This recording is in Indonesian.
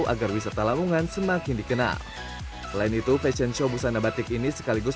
agar tetap bisa eksis